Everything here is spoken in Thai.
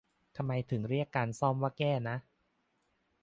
ทำไมถึงเรียกการซ่อมว่าแก้นะ